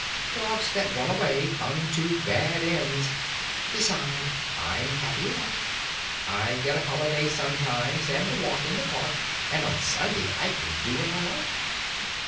'Dogs that run away come to bad ends. Besides, I'm happy enough. I get a holiday sometimes, and a walk in the park, and on Sunday I can do what I like.'